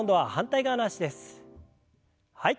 はい。